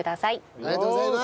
ありがとうございます！